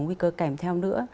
nguy cơ kèm theo nữ